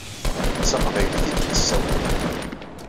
D taqbaylit i d-yessawlen.